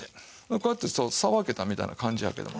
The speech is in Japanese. こうやってさばけたみたいな感じやけども。